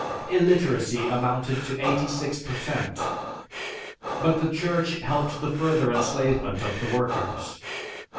Illiteracy amounted to eighty six percent. But the Church helped the further enslavement of the workers.